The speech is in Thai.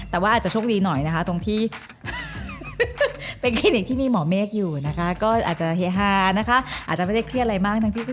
แต่ว่าอาจจะช่วงดีหน่อยนะครับ